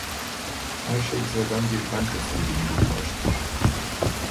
Her şey sıradan bir banka soygunu gibi başlar.